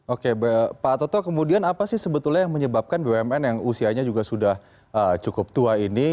oke pak toto kemudian apa sih sebetulnya yang menyebabkan bumn yang usianya juga sudah cukup tua ini